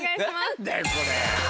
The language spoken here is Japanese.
何だよこれ。